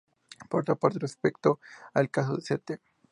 Por otra parte, respecto al caso de St.